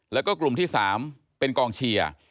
แล้วก็กลุ่มที่๓เป็นกองเชียร์